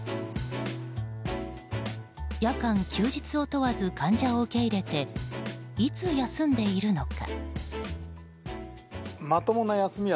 夜間・休日を問わず患者を受け入れていつ休んでいるのか。